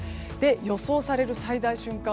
予想される最大瞬間